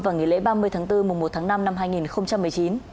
vào nghỉ lễ ba mươi tháng bốn mùa một tháng năm năm hai nghìn một mươi chín